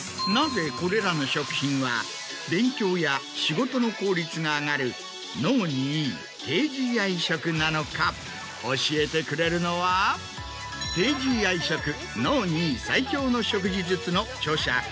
なぜこれらの食品は勉強や仕事の効率が上がる脳にいい低ＧＩ食なのか教えてくれるのは『低ＧＩ食脳にいい最強の食事術』の著者